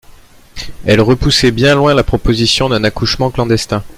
Elle repoussait bien loin la proposition d'un accouchement clandestin.